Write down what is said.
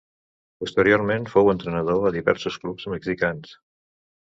Posteriorment fou entrenador a diversos clubs mexicans.